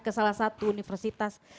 ke salah satu universitas